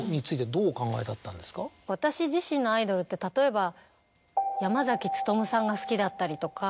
私自身のアイドルって例えば山努さんが好きだったりとか。